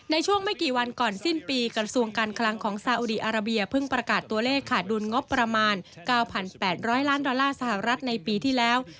ในช่วงไม่กี่วันก่อนสิ้นปีกระทรวงการคลังของซาอุดีอาราเบียเพิ่งประกาศตัวเลขขาดดุลงบประมาณ๙๘๐๐ล้านดอลลาร์สหรัฐในปีที่แล้ว